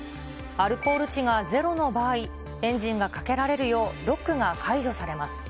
アルコール値がゼロの場合、エンジンがかけられるよう、ロックが解除されます。